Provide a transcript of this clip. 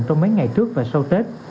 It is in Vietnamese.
trong mấy ngày trước và sau tết